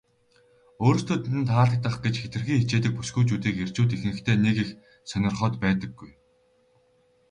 өөрсдөд нь таалагдах гэж хэтэрхий хичээдэг бүсгүйчүүдийг эрчүүд ихэнхдээ нэг их сонирхоод байдаггүй.